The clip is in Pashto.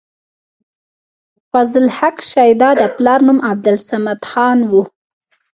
فضل حق شېدا د پلار نوم عبدالصمد خان وۀ